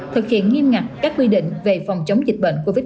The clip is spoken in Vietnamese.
thực hiện nghiêm ngặt các quy định về phòng chống dịch bệnh covid một mươi chín